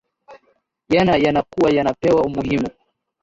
yana yanakua yanapewa umuhimu